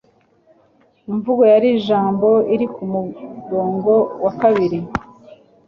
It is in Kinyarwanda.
Imvugo yiri jambo iri kumurongo wa kabiri.